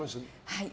はい。